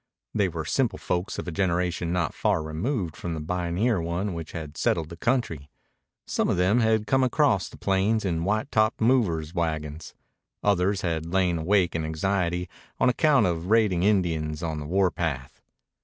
They were simple folk of a generation not far removed from the pioneer one which had settled the country. Some of them had come across the plains in white topped movers' wagons. Others had lain awake in anxiety on account of raiding Indians on the war path.